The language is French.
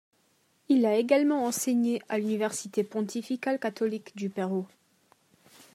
Il a également enseigné à l'université pontificale catholique du Pérou.